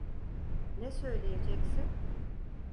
Ne söyleyeceksin?